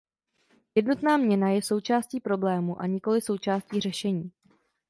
Jednotná měna je součástí problému a nikoli součástí řešení.